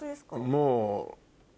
もう。